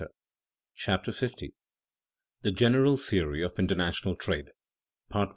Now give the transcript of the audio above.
CHAPTER 50 THE GENERAL THEORY OF INTERNATIONAL TRADE § I.